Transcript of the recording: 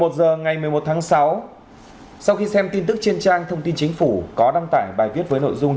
một mươi một h ngày một mươi một tháng sáu sau khi xem tin tức trên trang thông tin chính phủ có đăng tải bài viết với nội dung